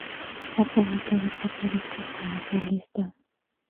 Ha publicado cuatro discos como solista.